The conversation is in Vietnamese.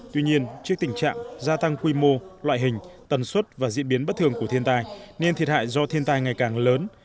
tuy nhiên trước tình trạng gia tăng quy mô loại hình tần suất và diễn biến bất thường của thiên tai nên thiệt hại do thiên tai ngày càng lớn